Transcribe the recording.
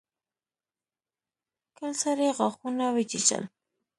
کلسري غاښونه وچيچل.